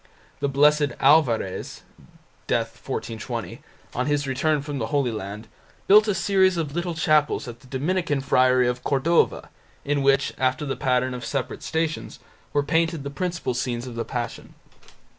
The Blessed Alvarez (d. 1420), on his return from the Holy Land, built a series of little chapels at the Dominican friary of Cordova, in which, after the pattern of separate Stations, were painted the principal scenes of the Passion.